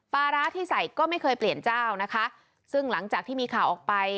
ปลาร้าที่ใส่ก็ไม่เคยเปลี่ยนเจ้านะคะซึ่งหลังจากที่มีข่าวออกไป